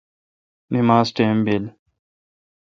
نماز ٹیم بیل۔